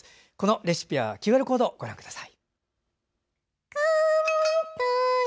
レシピはＱＲコードご覧ください。